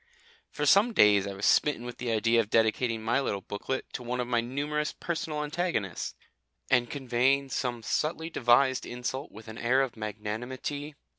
For some days I was smitten with the idea of dedicating my little booklet to one of my numerous personal antagonists, and conveying some subtly devised insult with an air of magnanimity.